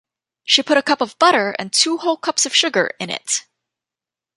She put a cup of butter and two whole cups of sugar in it.